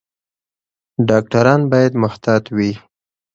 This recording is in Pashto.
ډاکټران باید محتاط وي.